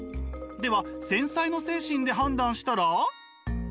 では繊細の精神で判断したら？